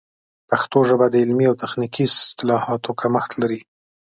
پښتو ژبه د علمي او تخنیکي اصطلاحاتو کمښت لري.